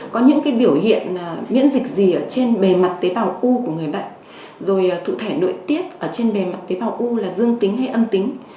có những cái biểu hiện miễn dịch gì ở trên bề mặt tế bào u của người bệnh rồi thụ thể nội tiết ở trên bề mặt tế bào u là dương tính hay ân tính